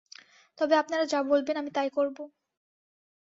তবে আপনারা যা বলবেন-আমি তা-ই করব।